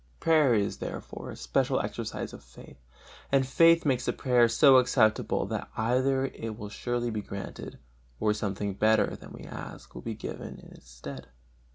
Prayer is, therefore, a special exercise of faith, and faith makes the prayer so acceptable that either it will surely be granted, or something better than we ask will be given in its stead.